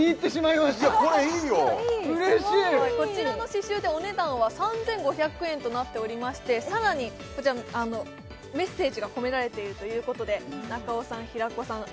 いやこれいいようれしいこちらの刺繍でお値段は３５００円となっておりましてさらにこちらメッセージが込められているということで中尾さん平子さん